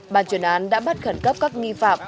bàn chuyên án đã bắt khẩn cấp các nghi phạm